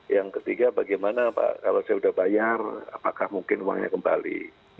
yang ketiga bagaimana pak kalau saya sudah bayar apakah mungkin uangnya kembali